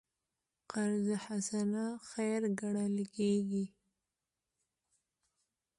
قرض حسنه خیر ګڼل کېږي.